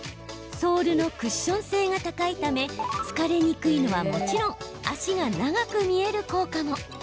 ソールのクッション性が高いため疲れにくいのはもちろん足が長く見える効果も。